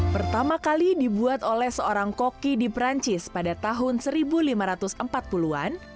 pertama kali dibuat oleh seorang koki di perancis pada tahun seribu lima ratus empat puluh an